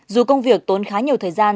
dù công việc tốn khá nhiều thời gian